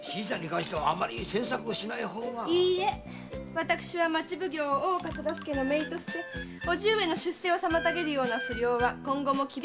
私は町奉行・大岡忠相の姪として叔父上の出世を妨げるような不良は今後も厳しく監視します。